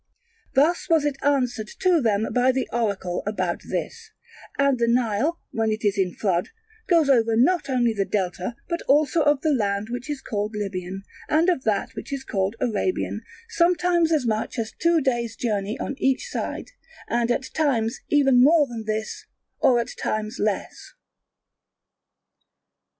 Thus was it answered to them by the Oracle about this: and the Nile, when it is in flood, goes over not only the Delta but also of the land which is called Libyan and of that which is called Arabian sometimes as much as two days' journey on each side, and at times even more than this or at times less.